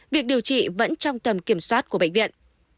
việc điều trị vẫn trong tầm kiểm soát của bệnh viện